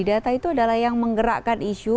data itu adalah yang menggerakkan isu